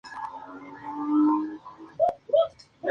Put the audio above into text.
Merlín es descrito en el texto como un profeta.